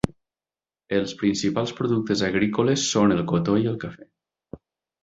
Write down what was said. Els principals productes agrícoles són el cotó i el cafè.